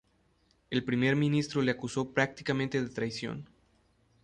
El Primer Ministro le acusó prácticamente de traición.